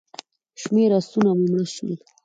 شمېر آسونه مو مړه شول.